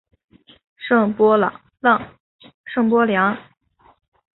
圣波良。